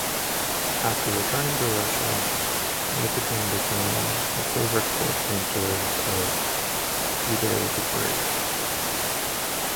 After returning to Russia Nikitin became the favorite court painter of Peter the Great.